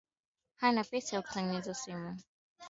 Hana pesa ya kutengeza simu